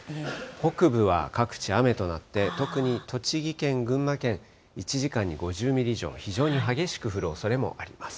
北部は各地雨となって、特に栃木県、群馬県、１時間に５０ミリ以上の非常に激しく降るおそれもあります。